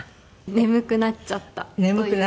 『眠くなっちゃった』という。